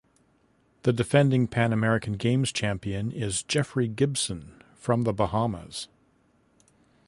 The defending Pan American Games champion is Jeffery Gibson from the Bahamas.